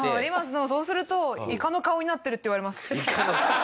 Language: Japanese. でもそうすると「いかの顔になってる」って言われます。